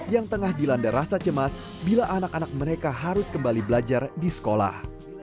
yang tengah dilanda rasa cemas bila anak anak mereka harus kembali belajar di sekolah